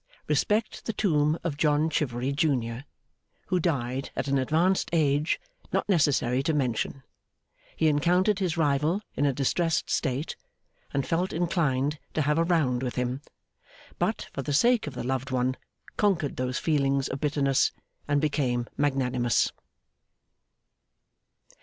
RESPECT THE TOMB OF JOHN CHIVERY, JUNIOR, WHO DIED AT AN ADVANCED AGE NOT NECESSARY TO MENTION. HE ENCOUNTERED HIS RIVAL IN A DISTRESSED STATE, AND FELT INCLINED TO HAVE A ROUND WITH HIM; BUT, FOR THE SAKE OF THE LOVED ONE, CONQUERED THOSE FEELINGS OF BITTERNESS, AND BECAME MAGNANIMOUS.